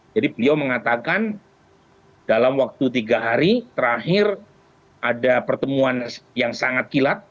jadi beliau mengatakan dalam waktu tiga hari terakhir ada pertemuan yang sangat kilat